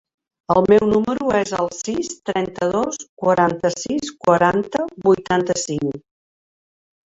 El meu número es el sis, trenta-dos, quaranta-sis, quaranta, vuitanta-cinc.